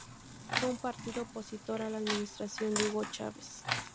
Fue un partido opositor a la administración de Hugo Chávez.